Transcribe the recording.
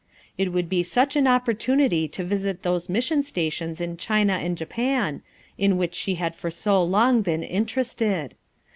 It would be such an opportunity to visit those mission stations in China and Japan, in which she had for so long been interested.